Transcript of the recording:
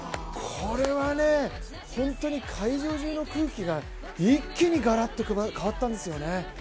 これは本当に会場中の空気が一気にガラッと変わったんですよね。